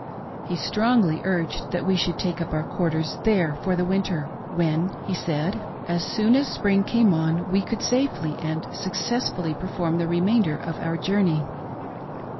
He strongly urged that we should take up our quarters there for the Winter, when, he said, as soon as Spring came on, we could safely and successfully perform the remainder of our journey.